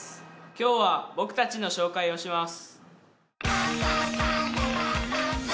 今日は僕たちの紹介をします。